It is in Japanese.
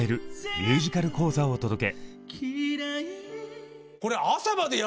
「ミュージカル講座」をお届け！